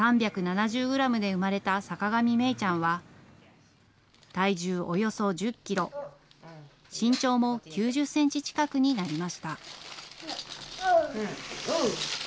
３７０グラムで産まれた坂上芽ちゃんは、体重およそ１０キロ、身長も９０センチ近くになりました。